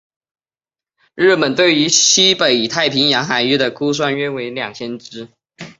而日本对于西北太平洋海域的估算约为二千只。